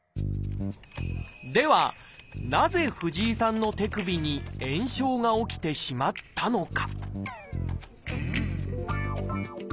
ではなぜ藤井さんの手首に炎症が起きてしまったのか？